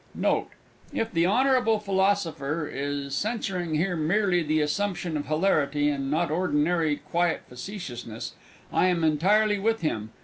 Note. If the honble Philosopher is censuring here merely the assumption of hilarity and not ordinary quiet facetiousness, I am entirely with him.